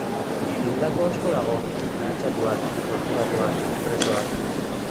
Hildako asko dago, mehatxatuak, torturatuak, presoak...